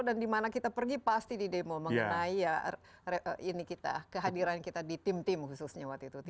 dan dimana kita pergi pasti di demo mengenai kehadiran kita di tim tim khususnya waktu itu